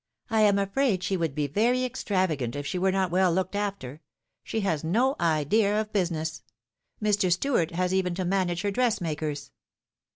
I am afraid she would be very extravagant if she were not well looked after. She has no idea of business. Mr. Stuart has even to manage her dress makers."